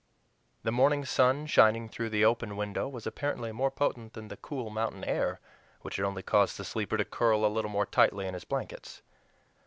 The morning sun shining through the open window was apparently more potent than the cool mountain air, which had only caused the sleeper to curl a little more tightly in his blankets.